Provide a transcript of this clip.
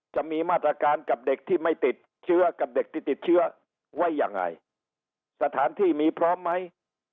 จะมีมาตรการกับเด็กที่ไม่ติดเชื้อกับเด็กที่ติดเชื้อไว้ยังไงสถานที่มีพร้อมไหม